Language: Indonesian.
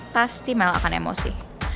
pasti mel akan emosi